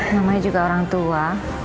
namanya juga orang tua